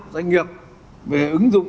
doanh nghiệp về ứng dụng